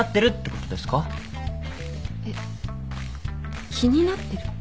えっ気になってる？